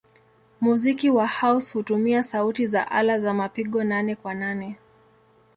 Muziki wa house hutumia sauti ya ala za mapigo nane-kwa-nane.